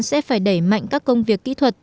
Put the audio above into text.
sẽ phải đẩy mạnh các công việc kỹ thuật